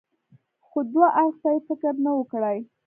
خو دو اړخ ته يې فکر نه و کړى.